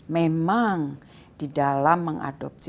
memang di dalam mengadopsi